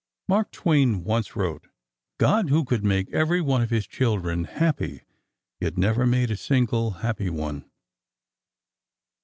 Mark Twain once wrote: "God, who could have made every one of His children happy ... yet never made a single happy one."